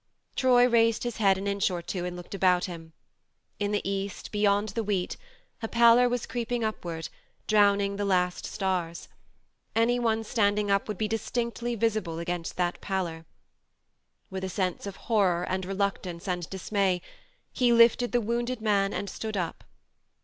Troy raised his head an inch or two and looked about him. In the east, beyond the wheat, a pallor was creep THE MARNE 131 ing upward, drowning the last stars. Any one standing up would be distinctly visible against that pallor. With a sense of horror and reluctance and dis may he lifted the wounded man and stood up.